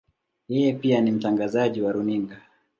Yeye pia ni mtangazaji wa runinga.